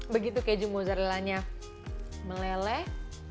begitu keju mozarellanya meleleh